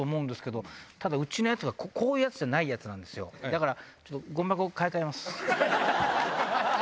だから。